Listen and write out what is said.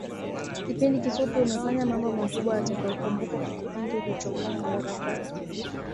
Kipindi kifupi umefanya mambo makubwa yatakayokumbukwa kwa kipindi ulichokaa madarakani